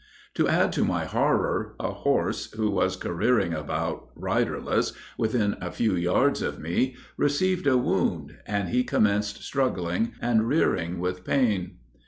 To add to my horror, a horse, who was careering about, riderless, within a few yards of me, received a wound, and he commenced struggling and rearing with pain.